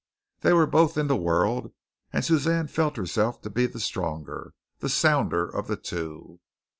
They were both in the world, and Suzanne felt herself to be the stronger the sounder of the two.